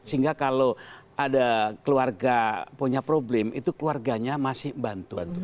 sehingga kalau ada keluarga punya problem itu keluarganya masih bantuan tuh